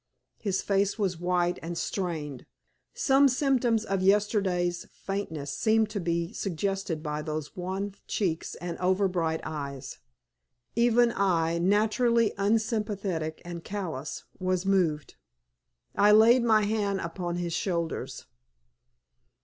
His face was white and strained some symptoms of yesterday's faintness seemed to be suggested by those wan cheeks and over bright eyes. Even I, naturally unsympathetic and callous, was moved. I laid my hand upon his shoulders.